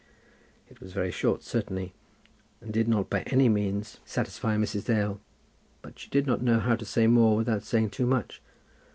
It was very short, certainly, and it did not by any means satisfy Mrs. Dale. But she did not know how to say more without saying too much.